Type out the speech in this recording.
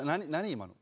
今の。